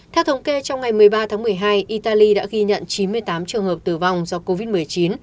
theo thống kê trong ngày một mươi ba tháng một mươi hai italy đã ghi nhận chín mươi tám trường hợp tử vong do covid một mươi chín